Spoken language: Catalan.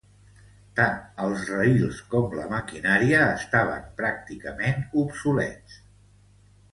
Tant els raïls com la maquinària estaven pràcticament obsolets.